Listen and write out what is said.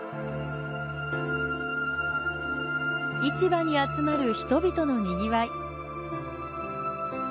市場に集まる人々の賑わい。